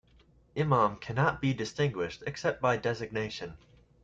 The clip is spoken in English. Imam can not be distinguished except by designation.